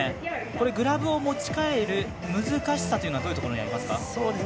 グラブを持ち替える難しさというのはどういうところにありますか。